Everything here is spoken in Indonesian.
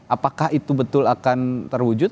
apakah itu betul akan terwujud